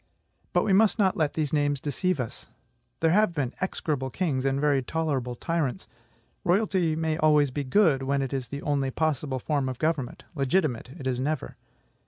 But we must not let these names deceive us. There have been execrable kings, and very tolerable tyrants. Royalty may always be good, when it is the only possible form of government; legitimate it is never.